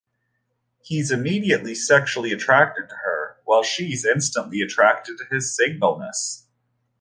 He's immediately sexually attracted to her while she's instantly attracted to his single-ness.